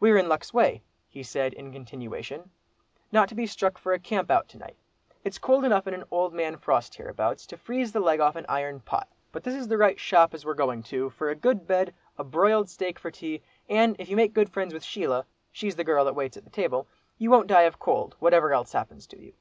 "We're in luck's way," he said, in continuation, "not to be struck for a camp out to night. It's cold enough in an old man frost hereabouts, to freeze the leg off an iron pot. But this is the right shop as we're going to, for a good bed, a broiled steak for tea, and if you make friends with Sheila (she's the girl that waits at table) you won't die of cold, whatever else happens to you.